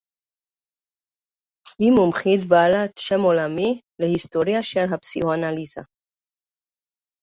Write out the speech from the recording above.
היא מומחית בעלת שם עולמי להיסטוריה של הפסיכואנליזה.